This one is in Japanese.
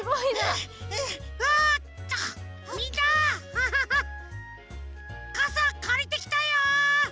ハハハかさかりてきたよ！